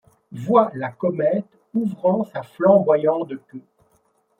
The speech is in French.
Voit la comète ouvrant sa flamboyante queue